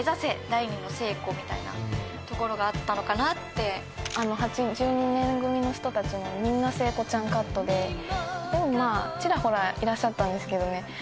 第２の聖子みたいなところがあったのかなって８２年組の人達もみんな聖子ちゃんカットででもまあチラホラいらっしゃったんですけどね